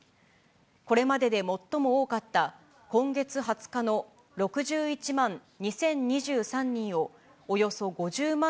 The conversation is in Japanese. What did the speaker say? これまでで最も多かった今月２０日の６１万２０２３人をおよそ５０万